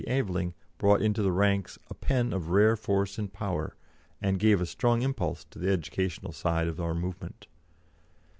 Aveling brought into the ranks a pen of rare force and power, and gave a strong impulse to the educational side of our movement.